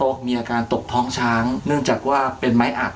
มีอาการตกท้องช้างเนื่องจากว่าเป็นไม้อัด